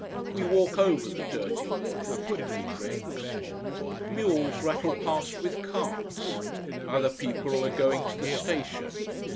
We walk over the dirty water and coffee dregs. Mules rattle past with carts. Other people are going to the station.